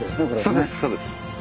そうですそうです。